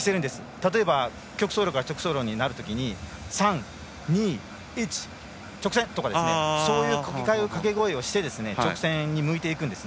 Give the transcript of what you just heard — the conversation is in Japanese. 例えば、曲走路から直走路になるときに３、２、１、直線とかそういう掛け声をして直線に向いていくんです。